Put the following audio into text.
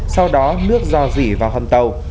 sau đó nước dò dỉ vào hòn tàu